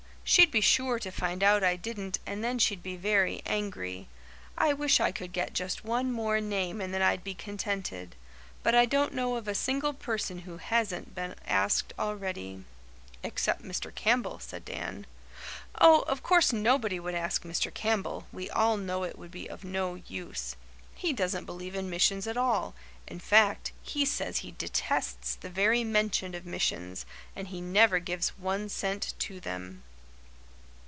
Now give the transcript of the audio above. She'd be sure to find out I didn't and then she'd be very angry. I wish I could get just one more name and then I'd be contented. But I don't know of a single person who hasn't been asked already." "Except Mr. Campbell," said Dan. "Oh, of course nobody would ask Mr. Campbell. We all know it would be of no use. He doesn't believe in missions at all in fact, he says he detests the very mention of missions and he never gives one cent to them."